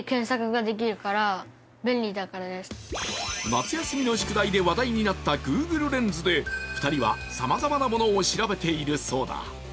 夏休みの宿題で話題になったＧｏｏｇｌｅレンズで２人は、さまざまなものを調べているそうだ。